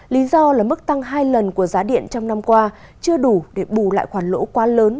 lý do là mức tăng hai lần của giá điện trong năm qua chưa đủ để bù lại khoản lỗ quá lớn